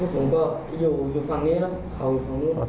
ผมก็อยู่ฝั่งนี้แล้วเขาอยู่ฝั่งนู้น